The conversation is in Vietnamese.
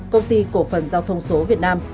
công ty cổ phần giao thông số việt nam